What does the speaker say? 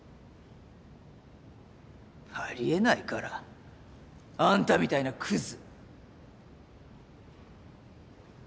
ありえないからあんたみたいなくず。